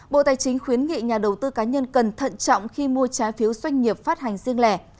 bộ tài chính khuyến nghị nhà đầu tư cá nhân cần thận trọng khi mua trái phiếu doanh nghiệp phát hành riêng lẻ